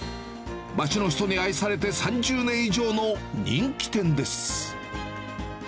町の人に愛されて３０年以上の人気店です。